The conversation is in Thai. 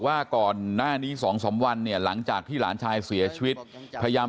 ว่าก่อนหน้านี้๒๓วันเนี่ยหลังจากที่หลานชายเสียชีวิตพยายาม